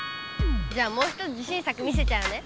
じゃあもうひとつ自しん作見せちゃうね。